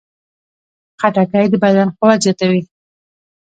خټکی د بدن قوت زیاتوي.